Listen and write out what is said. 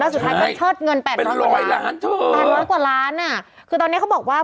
แล้วสุดท้ายก็เชิดเงิน๘๐๐บาท